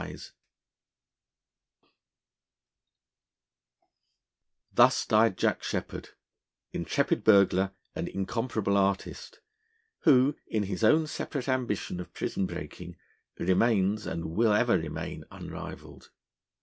Thus died Jack Sheppard; intrepid burglar and incomparable artist, who, in his own separate ambition of prison breaking, remains, and will ever remain, unrivalled.